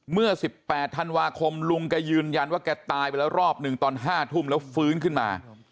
เมื่อ๑๘ธันวาคมลุงแกยืนยันว่าแกตายไปแล้วรอบหนึ่งตอน๕ทุ่มแล้วฟื้นขึ้นมา